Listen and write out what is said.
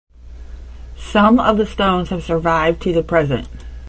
Some of the stones have survived to the present.